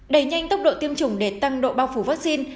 đẩy nhanh tốc độ tiêm chủng để tăng độ bao phủ vaccine